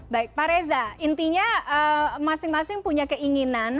baik pak reza intinya masing masing punya keinginan